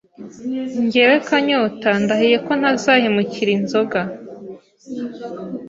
njyewe kanyota ndahiye ko ntazahemukira inzoga